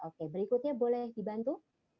oke berikutnya boleh dibantu